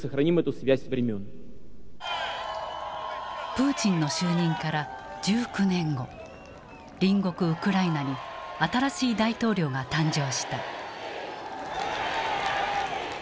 プーチンの就任から１９年後隣国ウクライナに新しい大統領が誕生した。